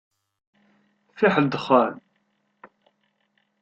Fiḥel dexxan.